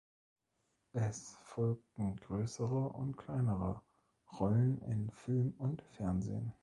Es folgten größere und kleinere Rollen in Film und Fernsehen.